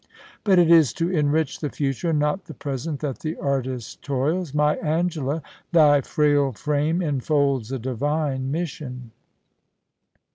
But it is to enrich the future and not the present that the artist toils. My Angela, thy frail frame enfolds a divine mission.